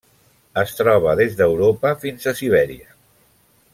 Es troba des d'Europa fins a Sibèria.